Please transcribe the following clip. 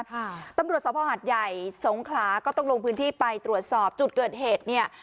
ตำรวจสภหัดใหญ่สงขลาก็ต้องลงพื้นที่ไปตรวจสอบจุดเกิดเหตุเนี่ย